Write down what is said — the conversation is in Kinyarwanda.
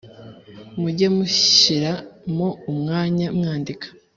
Muge mushira mo umwanya mwandika